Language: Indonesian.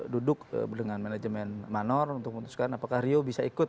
duduk dengan manajemen manor untuk memutuskan apakah rio bisa ikut